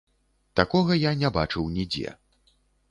Такога я не бачыў нідзе.